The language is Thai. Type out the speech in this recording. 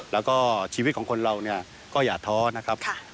แล้วก็ชีวิตของคนเราเนี่ยก็อย่าท้อนะครับ